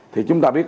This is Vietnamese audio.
thì chúng ta biết